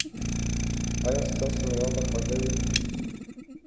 ایا ستاسو میوه به خوږه وي؟